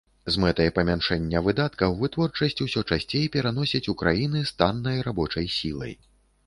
З мэтай памяншэння выдаткаў, вытворчасць усё часцей пераносяць у краіны з таннай рабочай сілай.